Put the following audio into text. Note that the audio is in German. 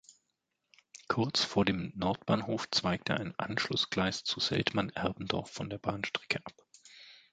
Kurz vor dem Nord-Bahnhof zweigte ein Anschlussgleis zu Seltmann Erbendorf von der Bahnstrecke ab.